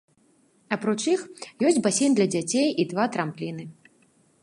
Апроч іх, ёсць басейн для дзяцей і два трампліны.